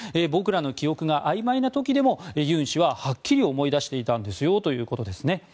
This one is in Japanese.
僕らの記憶があいまいな時でもユン氏ははっきり思い出していたんですよということです。